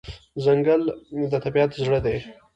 ځنګل د طبیعت زړه دی.